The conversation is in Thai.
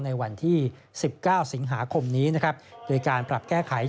ในวันที่๑๙สิงหาคมนี้นะครับ